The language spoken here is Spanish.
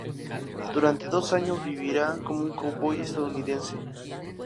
Durante dos años vivirá como un cowboy estadounidense.